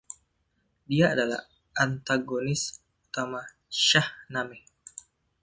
Dia adalah antagonis utama Shahnameh.